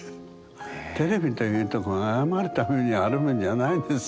テレビというとこが謝るためにあるもんじゃないんですよね。